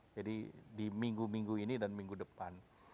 jadi di minggu minggu ini dan minggu depan